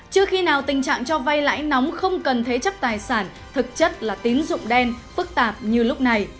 chưa khi nào tình trạng cho vay lãi nóng không cần thế chấp tài sản thực chất là tín dụng đen phức tạp như lúc này